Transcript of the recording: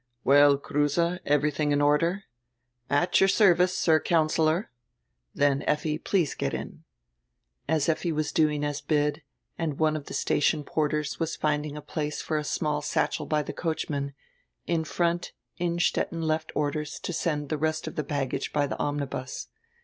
"Well, Kruse, everything in order?" "At your sendee, Sir Councillor." "Then, Effi, please get in." As Effi was doing as bid, and one of die station porters was finding a place for a small satchel by die coachman, in front, Innstetten left orders to send the rest of die luggage by the omnibus.